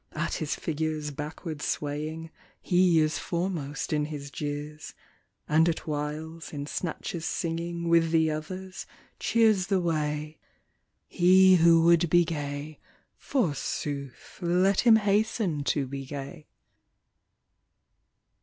At his figure's backward swaying He is foremost in his jeers ; And at whiles, in snatches singing With the others, cheers the way : He who would be gay, forsooth. Let him hasten to be gay.